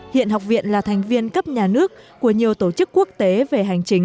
hiện học viện là thành viên cấp nhà nước của nhiều tổ chức quốc tế về hành chính